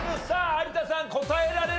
有田さん。